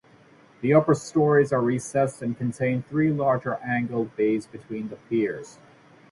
The upper stories are recessed and contain three larger angled-bays between the piers.